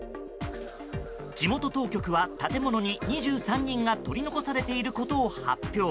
地元当局は、建物に２３人が取り残されていることを発表。